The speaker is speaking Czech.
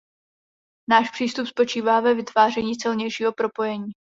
Náš přístup spočívá ve vytváření silnějšího propojení.